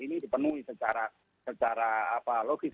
ini dipenuhi secara secara apa logis